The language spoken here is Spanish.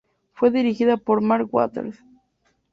Fue dirigida por Mark Waters.